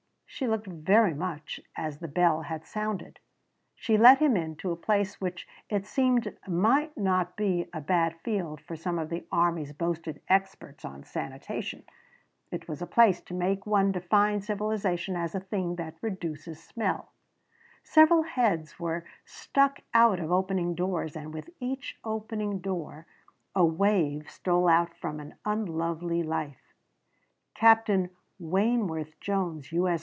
She looked very much as the bell had sounded. She let him in to a place which it seemed might not be a bad field for some of the army's boasted experts on sanitation. It was a place to make one define civilization as a thing that reduces smell. Several heads were stuck out of opening doors and with each opening door a wave stole out from an unlovely life. Captain Wayneworth Jones, U. S.